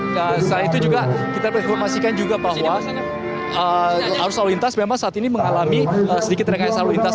dan saat itu juga kita berinformasikan juga bahwa arus lalu lintas memang saat ini mengalami sedikit rekan lintas